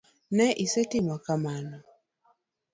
Ne isetimo kamano.